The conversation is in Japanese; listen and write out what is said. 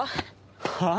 はあ？